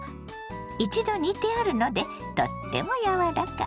一度煮てあるのでとっても柔らか。